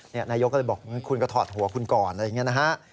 นายกก็เลยบอกคุณก็ถอดหัวคุณก่อนอะไรอย่างนี้นะฮะ